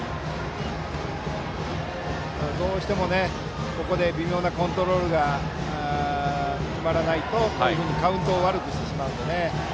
どうしても、ここで微妙なコントロールが決まらないとカウントを悪くしてしまうので。